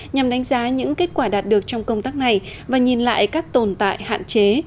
nhằm đánh giá những kết quả đạt được trong công tác này và nhìn lại các tồn tại hạn chế